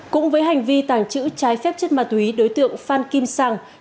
cũng với hành vi tàng chữ trái phép chất ma túy đối tượng phan kim sàng